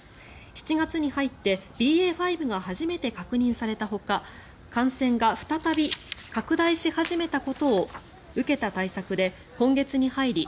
７月に入ってＢＡ．５が初めて確認されたほか感染が再び拡大し始めたことを受けた対策で今月に入り